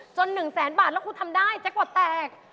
จน๑แสนบาทแล้วคุณทำได้แจ๊กบอดแตก